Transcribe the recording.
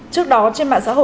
trước đó trên mạng xã hội